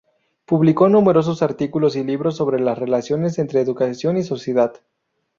Publicó numerosos artículos y libros sobre las relaciones entre educación y sociedad.